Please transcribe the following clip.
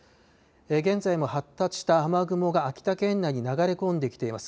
現在も発達した雨雲が秋田県内に流れ込んできています。